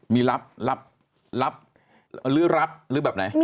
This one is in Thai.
มีรับรับหรือรับหรือแบบไหน